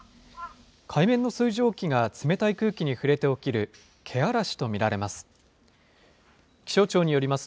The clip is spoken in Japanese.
海面の水蒸気が冷たい空気に触れて起きる、けあらしと見られます。